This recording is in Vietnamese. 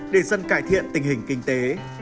để dân cải thiện tình hình kinh tế